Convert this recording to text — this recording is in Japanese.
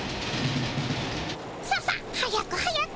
ささっ早く早く。